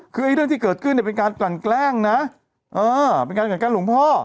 คือไอ้เรื่องที่เกิดขึ้นเนี่ยเป็นการกลั่นแกล้งนะเป็นการกลั่นแกล้งหลวงพ่อ